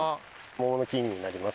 桃の木になります。